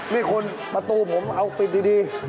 นี่อยากผมเอาปิดดี